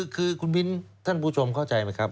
คือคุณมิ้นท่านผู้ชมเข้าใจไหมครับ